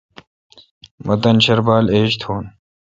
مہ تان شربال ایج تھون۔